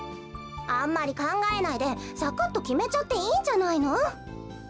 あんまりかんがえないでサクッときめちゃっていいんじゃないの？